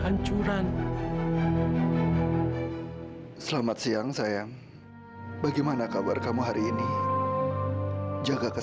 aku ingin menyayangi bayi kamu juga